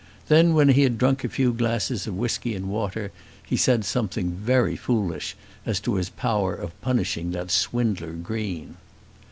Then when he had drunk a few glasses of whisky and water, he said something very foolish as to his power of punishing that swindler Green.